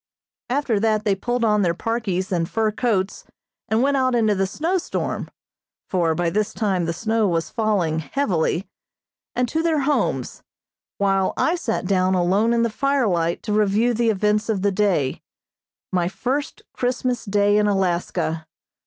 After that they pulled on their parkies and fur coats and went out into the snow storm (for by this time the snow was falling heavily), and to their homes, while I sat down alone in the firelight to review the events of the day my first Christmas Day in Alaska.